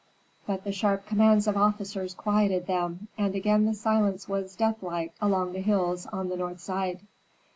But the sharp commands of officers quieted them, and again the silence was deathlike along the cliffs on the north side.